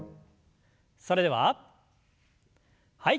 それでははい。